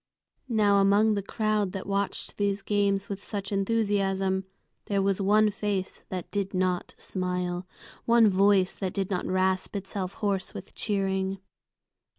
Now among the crowd that watched these games with such enthusiasm, there was one face that did not smile, one voice that did not rasp itself hoarse with cheering.